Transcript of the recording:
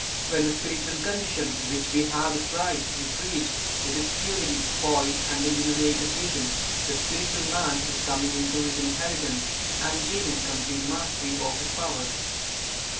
When the spiritual condition which we have described is reached, with its purity, poise, and illuminated vision, the spiritual man is coming into his inheritance, and gaining complete mastery of his powers.